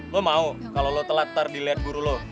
lo mau kalo lo telat ntar diliat guru lo